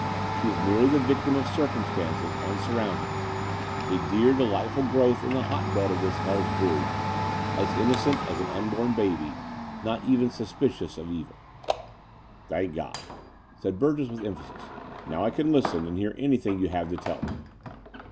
She is merely the victim of cir cumstances and surroimdings — a dear delightful growth in the hot bed of this hell's brood — as inno cent as an unborn baby, not even suspicious of evil." "Thank God," said Burgess with emphasis. "Now I can Usten and hear anything you have to tell me."